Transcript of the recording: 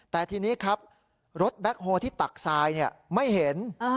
แต่ทีนี้ครับรถแบ็คโฮที่ตักทรายไม่เห็น